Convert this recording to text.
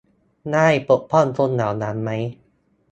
ได้ปกป้องคนเหล่านั้นไหม